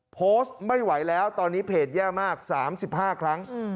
โพสต์ไม่ไหวแล้วตอนนี้เพจแย่มาก๓๕ครั้ง